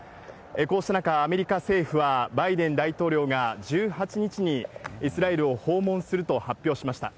こうした中、アメリカ政府は、バイデン大統領が１８日にイスラエルを訪問すると発表しました。